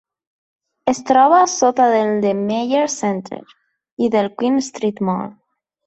Es troba sota del The Myer Centre y del Queen Street Mall.